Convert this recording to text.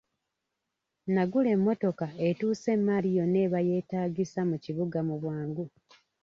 Nagula emmotoka etuusa emmaali yonna eba yeetaagisa mu kibuga mu bwangu.